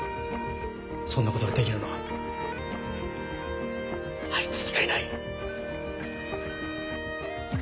そんなことができるのはあいつしかいない。